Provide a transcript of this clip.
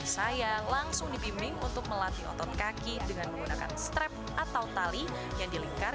saya langsung dibimbing untuk melatih otot kaki dengan menggunakan strap atau tali yang dilingkar